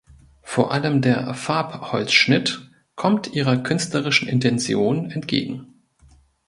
Vor allem der Farbholzschnitt kommt ihrer künstlerischen Intension entgegen.